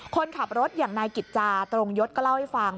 คนขับรถอย่างนายกิจจาตรงยศก็เล่าให้ฟัง